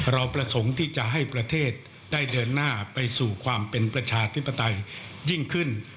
เราประสงค์ที่จะให้ประเทศได้เดินหน้าไปสู่ความเป็นประชาธิปไตยยิ่งขึ้น